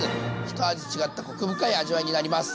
ひと味違ったコク深い味わいになります。